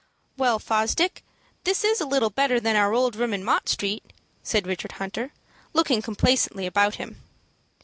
"Well, Fosdick, this is a little better than our old room in Mott Street," said Richard Hunter, looking complacently about him.